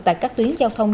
tại các tuyến giao thông